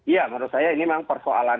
ya menurut saya ini memang persoalan